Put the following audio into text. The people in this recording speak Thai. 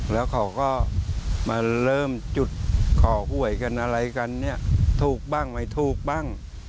แล้วเขาก็มาเริ่มจุดขอหวยกันอะไรกันเนี่ยถูกบ้างไม่ถูกบ้าง